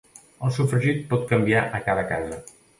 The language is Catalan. El sofregit pot canviar a cada casa.